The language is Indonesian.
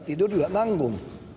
tidur juga nanggung